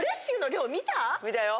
見たよ。